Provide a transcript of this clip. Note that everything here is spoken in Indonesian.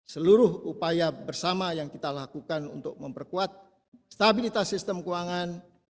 seluruh upaya bersama yang kita lakukan untuk memperkuat stabilitas sistem keuangan